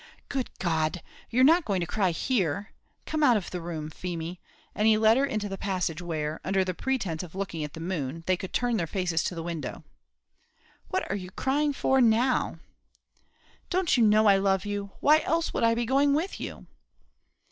"Good G d! you're not going to cry here; come out of the room, Feemy;" and he led her into the passage, where, under the pretence of looking at the moon, they could turn their faces to the window. "What are you crying for now?" "Don't you know I love you? why else would I be going with you?"